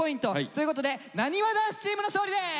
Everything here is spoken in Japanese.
ということでなにわ男子チームの勝利です！